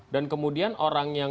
dan kemudian orang yang